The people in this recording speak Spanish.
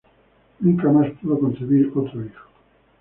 Nunca más pudo concebir otro hijo.